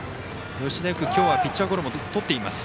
吉田、今日はよくピッチャーゴロもとっています。